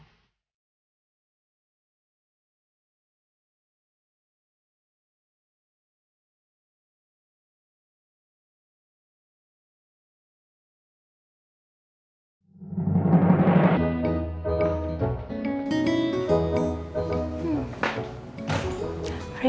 ya nggak harus raspberry